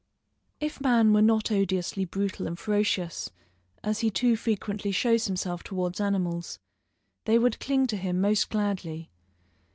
If man were not odiously brutal and ferocious, as he too frequently shows himself towards animals, they would cling to him most gladly.